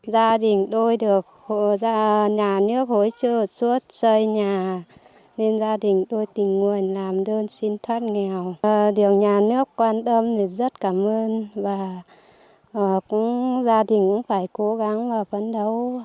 gia đình tôi được nhà nước hỗ trợ suốt xây nhà nên gia đình tôi tình nguyện làm đơn xin thoát nghèo điều nhà nước quan tâm thì rất cảm ơn và gia đình cũng phải cố gắng và phấn đấu